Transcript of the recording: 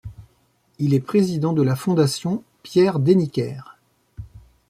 Il est président de la Fondation Pierre-Deniker.